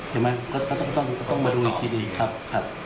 ใช่ไหมก็ต้องมาดูคนอีกทีเองค่ะ